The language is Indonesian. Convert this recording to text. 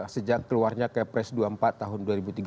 sejak keluarnya kepres dua puluh empat tahun dua ribu tiga belas